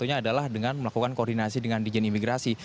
adalah dengan melakukan koordinasi dengan dirjen imigrasi